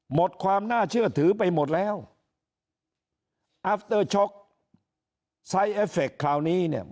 หมดความน่าเชื่อถือไปหมดแล้วอัฟเตอร์ช็อกไซส์เอฟเคคราวนี้เนี่ย